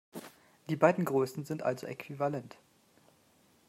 Die beiden Größen sind also äquivalent.